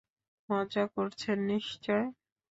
মজা করছেন নিশ্চয়।